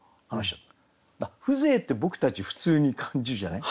風情って僕たち普通に感じるじゃない？